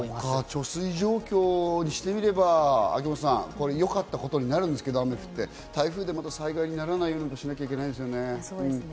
貯水状況にしてみれば秋元さん、よかったということになるんですけど、台風でまた災害にならないようにしなきゃいけないですもんね。